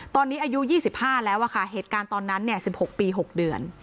ตอนนี้อายุ๒๕แล้วค่ะเหตุการณ์ตอนนั้น๑๖ปี๖เดือน